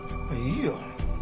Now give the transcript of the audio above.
いいよ。